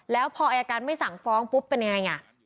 แล้วพออายการไม่สั่งฟ้องปุ๊บเป็นยังไง